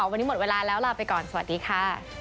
วันนี้หมดเวลาแล้วลาไปก่อนสวัสดีค่ะ